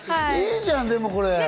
いいじゃん、でもこれ。